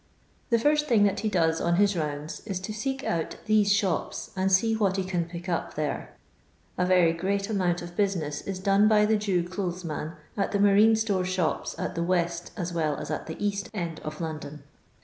The first thing that he does on his rounds is to seek out these shops, and see what he can pick up there. A very great amount of business is done by the Jew clothes man at the marine store shops at the west as well as at the east end of London.